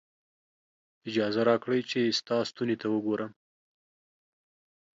اجازه راکړئ چې ستا ستوني ته وګورم.